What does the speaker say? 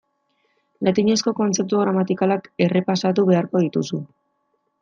Latinezko kontzeptu gramatikalak errepasatu beharko dituzu.